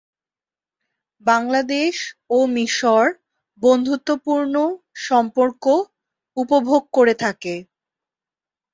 বাংলাদেশ ও মিশর বন্ধুত্বপূর্ণ সম্পর্ক উপভোগ করে থাকে।